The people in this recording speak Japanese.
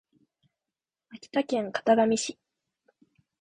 秋田県潟上市